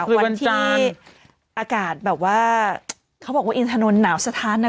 วันที่อากาศแบบว่าเขาบอกว่าอินถนนหนาวสะท้านนะ